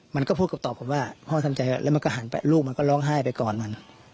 มันก็พูดกับตอบผมว่าพ่อทำใจแล้วมันก็หันไปลูกมันก็ร้องไห้ไปก่อนมัน